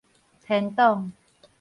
天丼